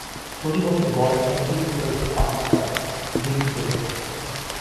প্রতিবছর গড়ে এক ডিগ্রী সেলসিয়াস তাপমাত্রা বৃদ্ধি পেতে থাকে।